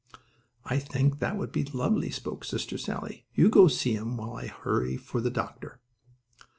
"I think that would be lovely," spoke Sister Sallie. "You go see him, while I hurry for the doctor."